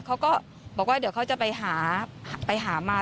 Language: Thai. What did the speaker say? เขาก็บอกว่าเดี๋ยวเขาจะไปหาไปหามา